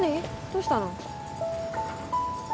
どうしたの？